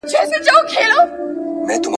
چي پر زړه یې د مرګ ستني څرخېدلې ..